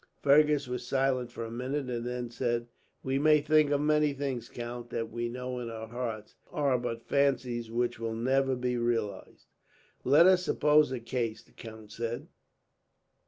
Fergus was silent for a minute, and then said: "We may think of many things, count, that we know, in our hearts, are but fancies which will never be realized." "Let us suppose a case," the count said.